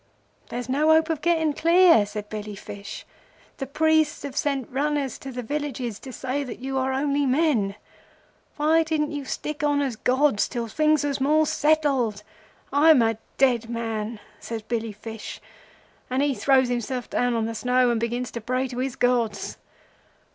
"'There's no hope o' getting clear,' said Billy Fish. 'The priests will have sent runners to the villages to say that you are only men. Why didn't you stick on as gods till things was more settled? I'm a dead man,' says Billy Fish, and he throws himself down on the snow and begins to pray to his gods.